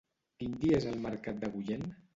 Quin dia és el mercat d'Agullent?